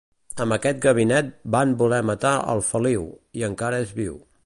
Amb aquest ganivet van voler matar el Feliu i encara és viu.